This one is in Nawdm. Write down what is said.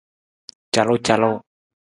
Calucalu.